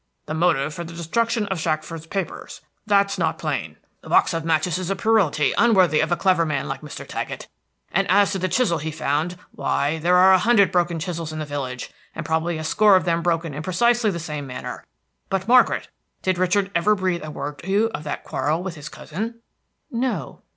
The motive for the destruction of Shackford's papers, that's not plain; the box of matches is a puerility unworthy of a clever man like Mr. Taggett, and as to the chisel he found, why, there are a hundred broken chisels in the village, and probably a score of them broken in precisely the same manner; but, Margaret, did Richard ever breathe a word to you of that quarrel with his cousin?" "No."